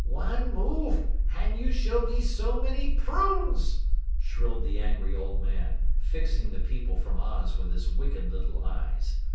"One move and you shall be so many prunes," shrilled the angry old man, fixing the people from Oz with his wicked little eyes.